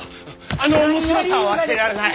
あの面白さは忘れられない！